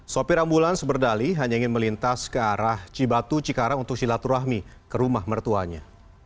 sopir ambulans berdali hanya ingin melintas ke arah cibatu cikarang untuk silaturahmi ke rumah mertuanya